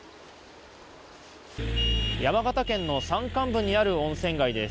山形県の山間部にある温泉街です。